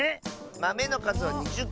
まめのかずは２０こ。